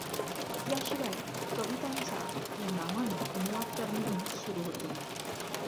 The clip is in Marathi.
याशिवाय कवितांचा या नावाने अनुवाद करणेही सुरू होते.